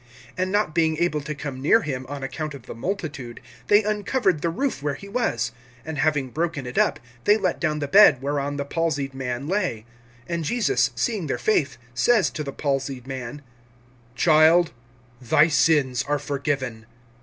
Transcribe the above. (4)And not being able to come near him, on account of the multitude, they uncovered the roof where he was; and having broken it up, they let down the bed whereon the palsied man lay. (5)And Jesus, seeing their faith, says to the palsied man: Child, thy sins are forgiven.